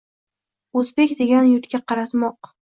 Oʼzbek degan yurtga qaratmoq.